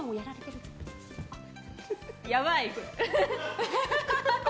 やばい。